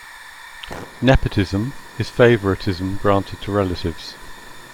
Nepotism is favoritism granted to relatives.